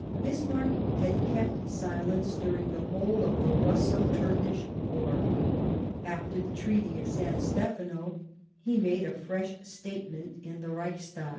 Bismarck had kept silence during the whole of the Russo Turkish War ; after the Treaty of San Stefano he made a fresh statement in the Reichstag.